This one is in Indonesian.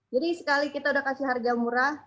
jadi sekali kita udah kasih harga murah